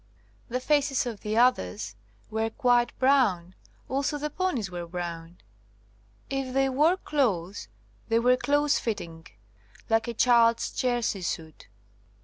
The faces of the others were quite brown, also the ponies were brown. If they wore clothes they were close fitting like a child's jersey suit.